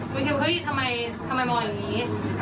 ก็ยังเฮ้ยทำไมมองอย่างนี้